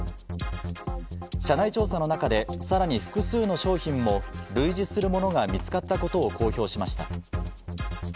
社内調査の中でさらに複数の商品も類似する物が見つかったことを公表しました。